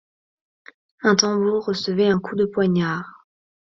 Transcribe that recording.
un tambour recevait un coup de poignard.